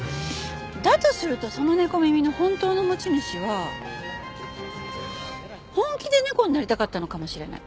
だとするとその猫耳の本当の持ち主は本気で猫になりたかったのかもしれない。